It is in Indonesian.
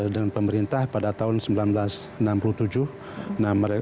dengan pemerintah pada tahun seribu sembilan ratus enam puluh tujuh